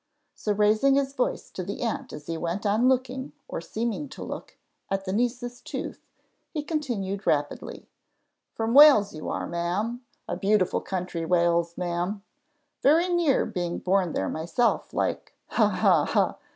So raising his voice to the aunt as he went on looking, or seeming to look, at the niece's tooth, he continued rapidly "From Wales you are, ma'am? a beautiful country Wales, ma'am. Very near being born there myself, like, ha, ha, ha!